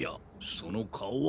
その顔は。